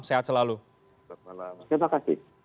sehat selalu selamat malam terima kasih